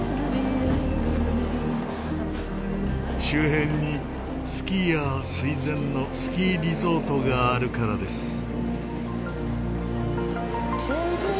周辺にスキーヤー垂涎のスキーリゾートがあるからです。